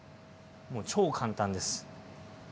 もう超簡単です。